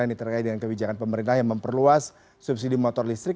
ini terkait dengan kebijakan pemerintah yang memperluas subsidi motor listrik